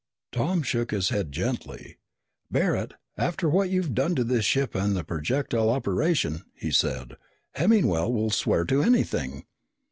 Tom shook his head gently. "Barret, after what you've done to his ship and the projectile operation," he said, "Hemmingwell will swear to anything."